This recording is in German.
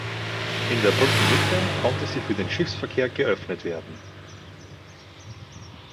In der Brückenmitte konnte sie für den Schiffsverkehr geöffnet werden.